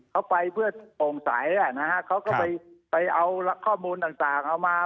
เขาไปเพื่อโปร่งใสนะฮะเขาก็ไปเอาข้อมูลต่างเอามา